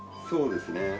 そうですね。